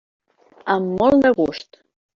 Amb molt de gust.